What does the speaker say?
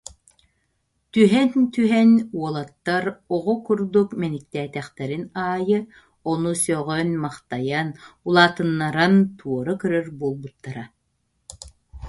Түһэн-түһэн, уолаттар оҕо курдук мэниктээтэхтэрин аайы ону сөҕөн-махтайан, улаатыннаран туора көрөр буолбуттара